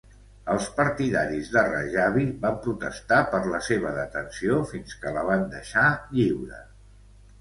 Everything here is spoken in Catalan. Els partidaris de Rajavi van protestar per la seva detenció fins que la van deixar lliure.